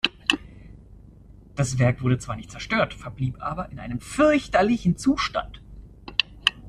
Das Werk wurde zwar nicht zerstört, verblieb aber in einem „fürchterlichen Zustand“.